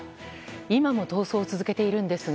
今も逃走を続けているんですが。